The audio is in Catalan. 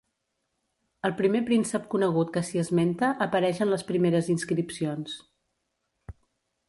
El primer príncep conegut que s'hi esmenta apareix en les primeres inscripcions.